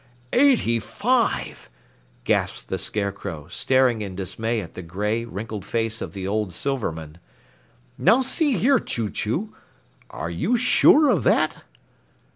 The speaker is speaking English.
"Eighty five!" gasped the Scarecrow, staring in dismay at the gray, wrinkled face of the old Silverman. "Now see here, Chew Chew, are you sure of that?"